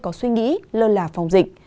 có suy nghĩ lơ là phòng dịch